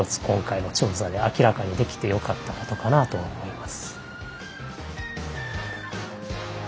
今回の調査で明らかにできてよかったことかなと思います。